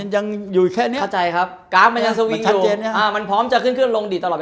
ยังอยู่แค่เนี่ย